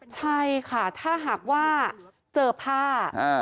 ใช่ค่ะถ้าหากว่าเจอผ้า